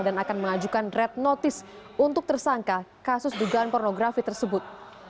dan akan mengajukan red notice untuk tersangka kasus dugaan pornografi tersebut